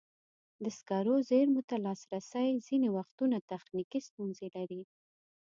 د سکرو زېرمو ته لاسرسی ځینې وختونه تخنیکي ستونزې لري.